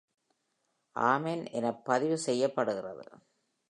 ஆமென் எனப் பதிவு செய்யப்படுகிறது!